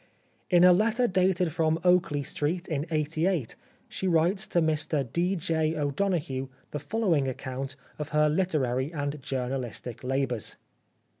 In a letter dated from Oakley Street in '88 she writes to Mr D. J. O'Donoghue the fol lowing account of her literary and journalistic labours.